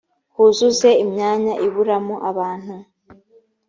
huzuze imyanya iburamo abantu